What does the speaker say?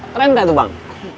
keren kan itu bang